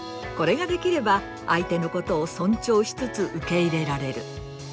これができれば相手のことを尊重しつつ受け入れられる。